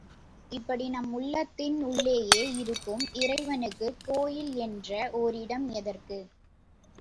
இப்படி நம் உள்ளத்தின் உள்ளேயே இருக்கும் இறைவனுக்கு கோயில் என்ற ஓர் இடம் எதற்கு?